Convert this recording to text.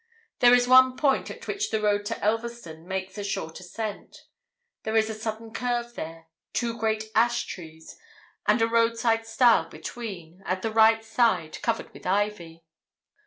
There is one point at which the road to Elverston makes a short ascent: there is a sudden curve there, two great ash trees, with a roadside stile between, at the right side, covered with ivy.